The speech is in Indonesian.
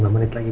lima menit lagi